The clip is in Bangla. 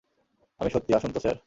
আমি সত্যি- আসুন তো, স্যার।